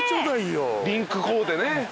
リンクコーデね。